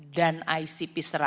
dan icp seratus